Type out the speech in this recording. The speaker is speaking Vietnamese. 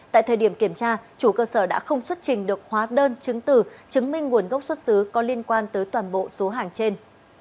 tại thời điểm kiểm tra chủ cơ sở đã không xuất trình được hóa đơn chứng từ chứng minh nguồn gốc xuất xứ có liên quan tới toàn bộ số hàng trên